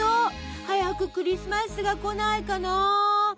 早くクリスマスが来ないかな！